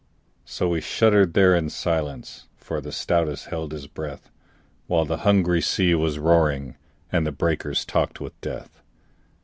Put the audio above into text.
So we shuddered there in silence, For the stoutest held his breath, While the hungry sea was roaring And the breakers talked with death.